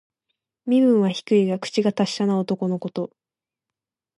身分は低いが、口が達者な男のこと。